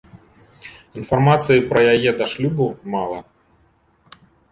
Інфармацыі пра яе да шлюбу мала.